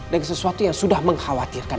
dan sesuatu yang sudah mengkhawatirkan